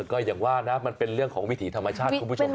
ก็อย่างว่านะมันเป็นเรื่องของวิถีธรรมชาติคุณผู้ชม